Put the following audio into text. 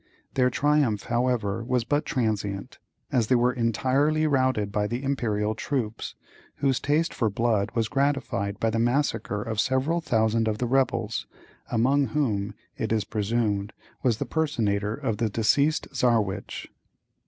Their triumph, however, was but transient, as they were entirely routed by the Imperial troops, whose taste for blood was gratified by the massacre of several thousands of the rebels, among whom, it is presumed, was the personator of the deceased Czarewitch.